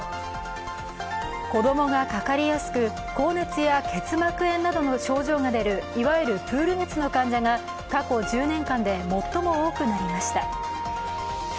子供がかかりやすく、高熱や結膜炎などの症状が出るいわゆるプール熱の患者が過去１０年間で最も多くなりました。